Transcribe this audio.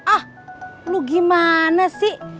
ah lu gimana sih